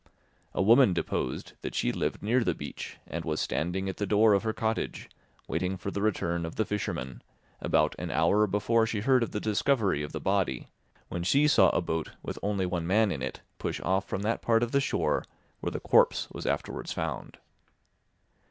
A woman deposed that she lived near the beach and was standing at the door of her cottage, waiting for the return of the fishermen, about an hour before she heard of the discovery of the body, when she saw a boat with only one man in it push off from that part of the shore where the corpse was afterwards found.